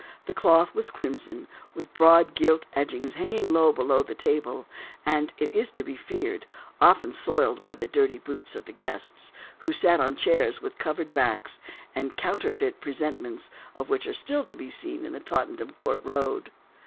The cloth was crimson, with broad gilt edgings hanging low beneath the table, and, it is to be feared, often soiled by the dirty boots of the guests, who sat on chairs with covered backs, the counterfeit presentments of which are still to be seen in the Tottenham Court Road.